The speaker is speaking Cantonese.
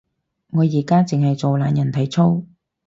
我而家淨係做懶人體操